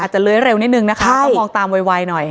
มือหลายอาจจะเร็วนะครับก็มองตามไวหน่อย